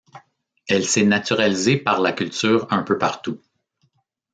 Elle s'est naturalisée par la culture un peu partout.